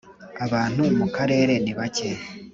Abantu mu karere nibake.